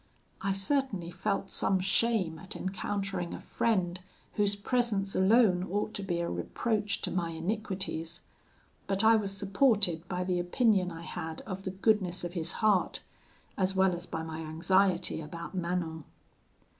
I certainly felt some shame at encountering a friend whose presence alone ought to be a reproach to my iniquities; but I was supported by the opinion I had of the goodness of his heart, as well as by my anxiety about Manon.